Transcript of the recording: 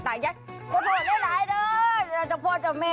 พอโทษได้หลายหน่อยจ้ะพ่อเจ้าแม่